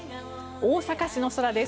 大阪市の空です。